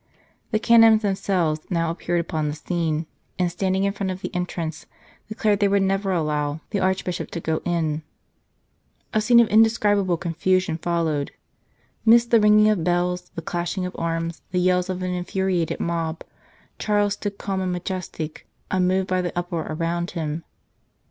The Canons themselves now appeared upon the scene, and, standing in front of the entrance, declared they would never allow the Archbishop to go in. A scene of indescribable confusion 78 The Commencement of the Struggle followed. Midst the ringing of bells, the clashing of arms, the yells of an infuriated mob, Charles stood calm and majestic, unmoved by the uproar around him.